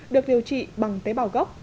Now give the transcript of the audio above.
được điều trị bằng tế bào gốc